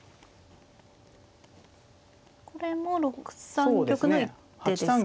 これも６三玉の一手ですか。